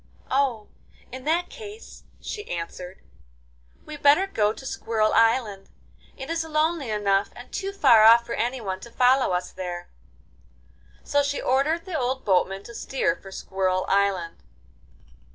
'Oh, in that case,' she answered, 'we had better go to Squirrel Island; it is lonely enough, and too far off for anyone to follow us there.' So she ordered the old boatman to steer for Squirrel Island.